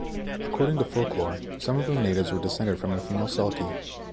According to folklore, some of the natives were descended from a female selkie.